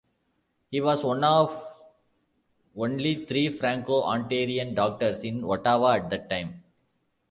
He was one of only three Franco-Ontarian doctors in Ottawa at the time.